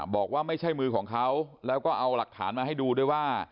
บอกว่าไม่ใช่มือของเขาแล้วก็เอาหลักฐานมาให้ดูด้วยว่า